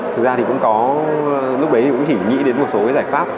thực ra thì cũng có lúc đấy thì cũng chỉ nghĩ đến một số cái giải pháp